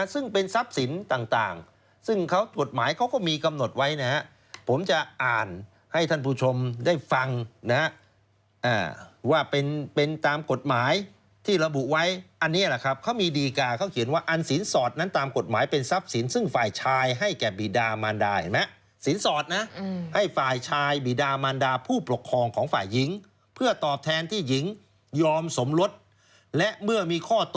ซึ่งเป็นทรัพย์สินต่างต่างซึ่งเขากฎหมายเขาก็มีกำหนดไว้นะฮะผมจะอ่านให้ท่านผู้ชมได้ฟังนะฮะอ่าว่าเป็นเป็นตามกฎหมายที่เราบุไว้อันเนี้ยล่ะครับเขามีดีการเขาเขียนว่าอันศีลสอดนั้นตามกฎหมายเป็นทรัพย์สินซึ่งฝ่ายชายให้แก่บีดามันดาเห็นไหมศีลสอดนะอืมให้ฝ่ายชายบีดามันดาผู้ป